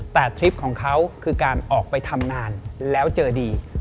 แต่ทริปของเขาคือการออกไปทำงานแล้วเจอดี